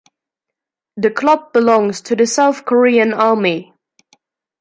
The club belongs to the South Korean Army.